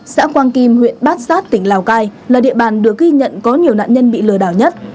xã quang kim huyện bát sát tỉnh lào cai là địa bàn được ghi nhận có nhiều nạn nhân bị lừa đảo nhất